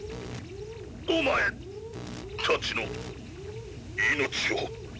お前たちの命を。